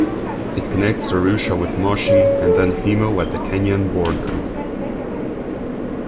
It connects Arusha with Moshi and then Himo at the Kenyan border.